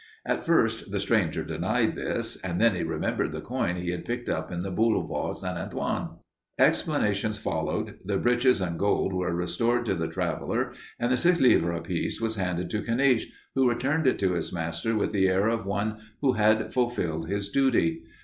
"At first the stranger denied this, and then he remembered the coin he had picked up in the Boulevard St. Antoine. Explanations followed, the breeches and gold were restored to the traveler and the six livre piece was handed to Caniche, who returned it to his master with the air of one who had fulfilled his duty.